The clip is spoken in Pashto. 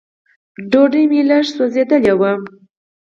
ډوډۍ مې لږ سوځېدلې وه.